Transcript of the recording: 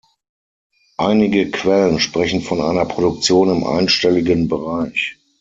Einige Quellen sprechen von einer Produktion im einstelligen Bereich.